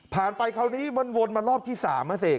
ผ่านไปคราวนี้มันวนมารอบที่๓ครับเศษ